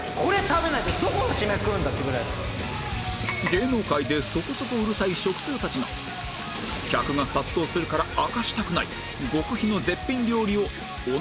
芸能界でそこそこうるさい食通たちが客が殺到するから明かしたくない極秘の絶品料理を何？